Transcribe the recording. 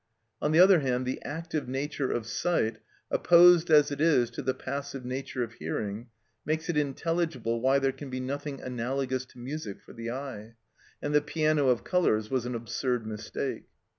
On the other hand, the active nature of sight, opposed as it is to the passive nature of hearing, makes it intelligible why there can be nothing analogous to music for the eye, and the piano of colours was an absurd mistake.